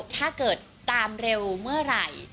ถ้าเกิดตามเร็วเมื่อไหร่